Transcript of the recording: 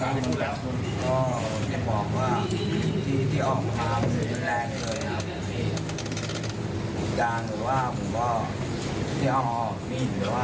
แต่ว่าไม่ใช่แม้ว่าจะเข้าไปควันเนี่ยผมก็เอาผู้กันตัวไง